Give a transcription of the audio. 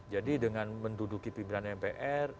jadi dengan menduduki pimpinan mpr